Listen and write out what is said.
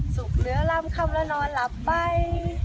สุกเหลือลำคำระนอนหลับไป